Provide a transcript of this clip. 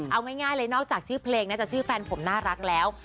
เอาง่ายเลยนอกจากชื่อเพลงน่าจะชื่อแฟนผมน่ารักแล้ว